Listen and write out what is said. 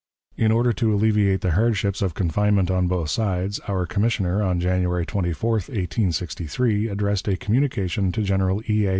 In order to alleviate the hardships of confinement on both sides, our commissioner, on January 24, 1863, addressed a communication to General E. A.